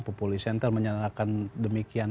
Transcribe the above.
populi center menyatakan demikian